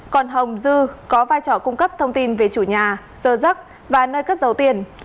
còn hồng dư có vai trò cung cấp thông tin về chủ nhà sơ giấc và nơi cất dấu tiền